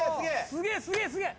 すげえすげえすげえ！